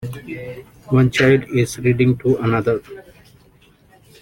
One child is reading to another